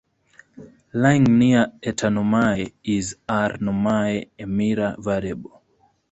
Lying near Eta Normae is R Normae, a Mira variable.